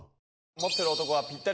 持ってる男はぴったり